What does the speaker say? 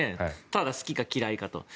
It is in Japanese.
ただ、好きか嫌いかと。